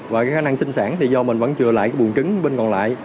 và cái khả năng sinh sản thì do mình vẫn chừa lại cái buồn trứng bên còn lại